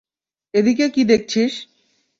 এদিকে কি দেখছিস?